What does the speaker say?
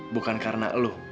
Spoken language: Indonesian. bukan karena elu